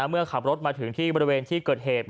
เมื่อขับรถมาถึงที่บริเวณที่เกิดเหตุ